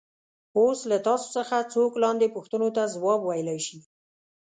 اوس له تاسو څخه څوک لاندې پوښتنو ته ځواب ویلای شي.